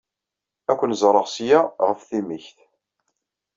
Ad ken-ẓreɣ seg-a ɣef timikt.